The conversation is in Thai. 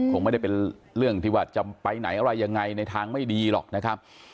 คงไม่ได้เป็นเรื่องที่ว่าจะไปไหนอะไรยังไงในทางไม่ดีหรอกนะครับ